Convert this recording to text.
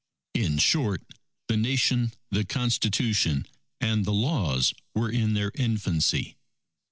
In short, the Nation, the Constitution, and the Laws were in their infancy.